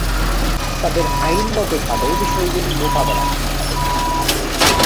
তাদের আইনগতভাবে বিষয়গুলি মোকাবেলা করতে হবে।